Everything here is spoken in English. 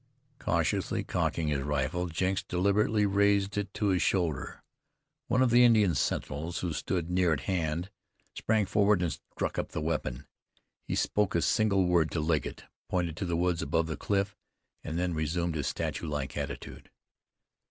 Cautiously cocking his rifle, Jenks deliberately raised it to his shoulder. One of the Indian sentinels who stood near at hand, sprang forward and struck up the weapon. He spoke a single word to Legget, pointed to the woods above the cliff, and then resumed his statue like attitude.